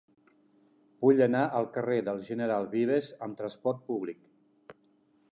Vull anar al carrer del General Vives amb trasport públic.